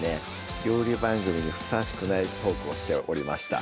料理番組にふさわしくないトークをしておりました